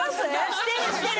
してるしてる。